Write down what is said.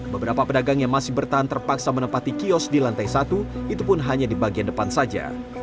beberapa pedagang yang masih bertahan terpaksa menempati kios di lantai satu itu pun hanya di bagian depan saja